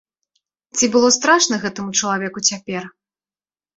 Ці было страшна гэтаму чалавеку цяпер?